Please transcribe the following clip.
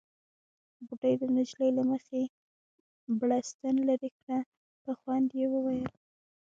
بوډۍ د نجلۍ له مخې بړستن ليرې کړه، په خوند يې وويل: